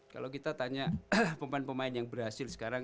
kalau kita tanya pemain pemain yang berhasil sekarang